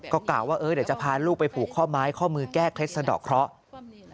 ก็กล่าวว่าเดี๋ยวจะพาลูกไปผูกข้อไม้ข้อมือแก้เคล็ดสะดอกเคราะห์